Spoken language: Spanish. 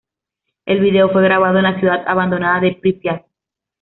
El vídeo fue grabado en la ciudad abandonada de Prípiat.